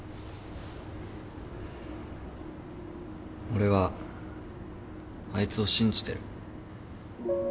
俺はあいつを信じてる。